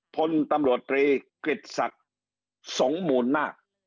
พลตำรวจตรีกฤษศักดิ์สงมูลนาค